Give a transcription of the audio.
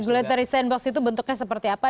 zlantary sandbox itu bentuknya seperti apa